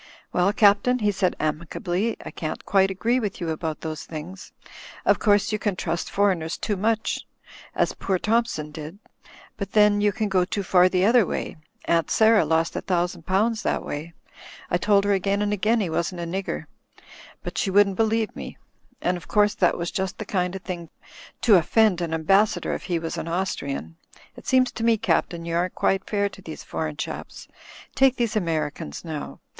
'Well, Captain," he said, amicably. "I can't quite agree with you about those things. Of course, you can trust foreigners too much as poor Thompson did ; but then you can go too far the other way. Aunt Sarah lost a thousand pounds that way. I told her again and again he wasn't a nigger, but she wouldn't i82 THE FLYING INN believe me. And, of course, that was just the kind of thing to offend an ambassador if he was an Austrian. It seems to me. Captain, you aren't quite fair to these foreign chaps. Take these Americans, now!